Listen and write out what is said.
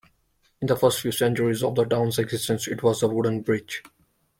In the first few centuries of the town's existence, it was a wooden bridge.